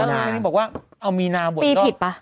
ก็บอกว่าหมีนาเอาหมีนาบวด๘ก่อน